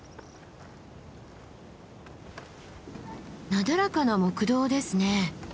なだらかな木道ですね。